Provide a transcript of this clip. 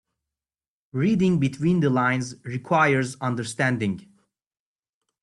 Reading between the lines requires understanding.